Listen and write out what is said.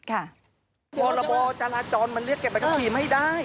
พรบจราจรมันเรียกเก็บใบขับขี่ไม่ได้